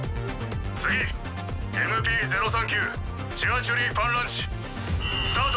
次ＭＰ０３９チュアチュリー・パンランチスタート。